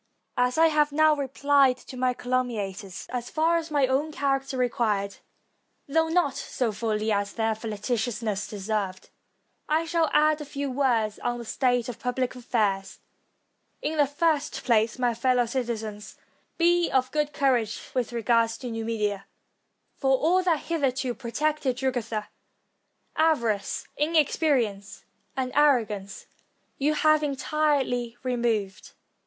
As I have now repHed to my caltmmiators, as far as my own character required, though not so fully as their flagitiousness deserved, I shall add a few words on the state of pubhc affairs. In the first place, my fellow citizens, be of good courage with regard to Numidia ; for aU that hitherto protected Jugurtha, avarice, inexperi ence, and arrogance, you have entirely removed.